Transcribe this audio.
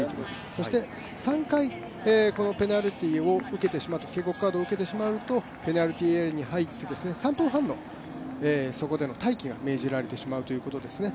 そして３回、このペナルティー、警告カードを受けてしまうとペナルティーエリアに入って、３分半の待機が命じられてしまうということですね。